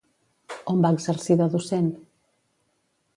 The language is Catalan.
On va exercir de docent?